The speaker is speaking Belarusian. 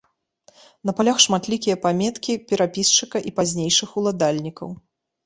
На палях шматлікія паметкі перапісчыка і пазнейшых уладальнікаў.